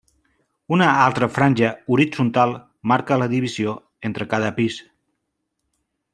Una altra franja horitzontal marca la divisió entre cada pis.